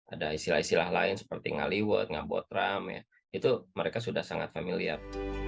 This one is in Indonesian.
ada istilah istilah lain seperti nga liwut nga botram itu mereka sudah sangat familiar